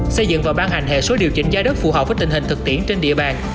xây dựng và ban hành hệ số điều chỉnh giá đất phù hợp với tình hình thực tiễn trên địa bàn